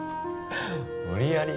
無理やり